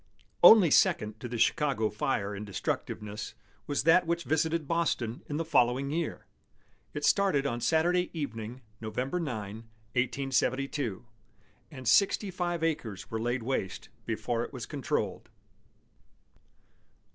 Only second to the Chicago fire in destructiveness was that which visited Boston in the following year. It started on Saturday evening, November 9, 1872, and sixty five acres were laid waste before it was controlled.